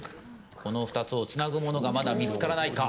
この２つをつなぐものがまだ見つからないか。